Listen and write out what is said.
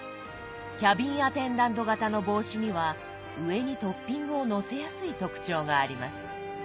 キャビンアテンダント型の帽子には上にトッピングをのせやすい特徴があります。